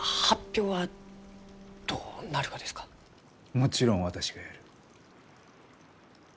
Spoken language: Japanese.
もちろん私がやる。